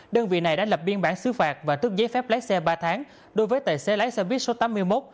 đơn vị này đã lập biên bản xứ phạt và tước giấy phép lái xe ba tháng đối với tài xế lái xe buýt số tám mươi một